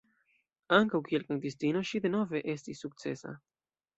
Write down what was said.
Ankaŭ kiel kantistino ŝi denove estis sukcesa.